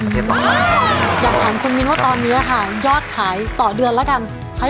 โปรดติดตามต่อไป